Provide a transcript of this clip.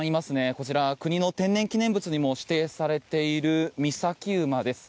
こちら、国の天然記念物にも指定されているミサキウマです。